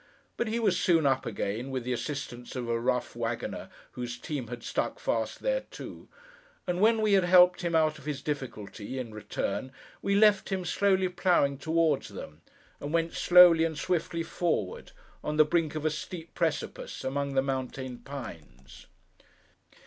But he was soon up again, with the assistance of a rough waggoner whose team had stuck fast there too; and when we had helped him out of his difficulty, in return, we left him slowly ploughing towards them, and went slowly and swiftly forward, on the brink of a steep precipice, among the mountain pines.